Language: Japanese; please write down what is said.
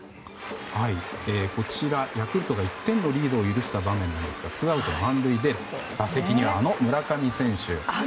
こちら、ヤクルトが１点のリードを許した場面ツーアウト満塁で打席には、あの村上選手。